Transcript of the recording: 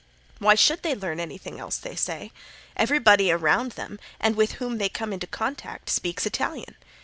Why should they learn anything else, they say. Everybody around them, and with whom they come in contact speaks Italian.